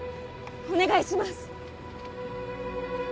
お願いします！